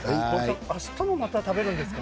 あしたもまた食べるんですか？